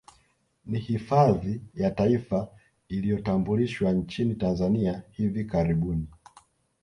Ni hifadhi ya Taifa iliyotambulishwa nchini Tanzania hivi karibuni